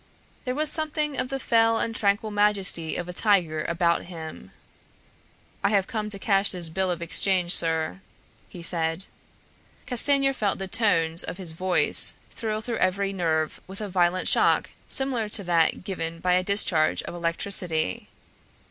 There was something of the fell and tranquil majesty of a tiger about him. "I have come to cash this bill of exchange, sir," he said. Castanier felt the tones of his voice thrill through every nerve with a violent shock similar to that given by a discharge of electricity.